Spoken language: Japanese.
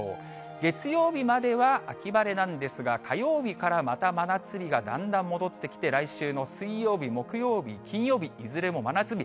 月曜日までは秋晴れなんですが、火曜日からまた真夏日がだんだん戻ってきて、来週の水曜日、木曜日、金曜日、いずれも真夏日。